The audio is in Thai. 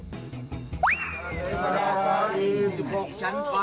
สี่หกชั้นควาย